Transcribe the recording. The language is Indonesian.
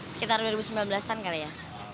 sekitar dua ribu sembilan belas an kali ya